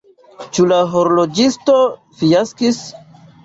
Ĉu la horloĝisto fiaskis?